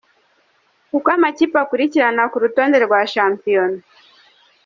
Uko amakipe akurikirana ku rutonde rwa shampiyona